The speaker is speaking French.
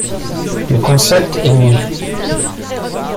Le concept est né.